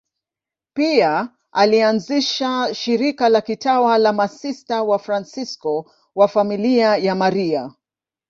Pia alianzisha shirika la kitawa la Masista Wafransisko wa Familia ya Maria.